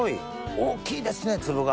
大きいですね粒が。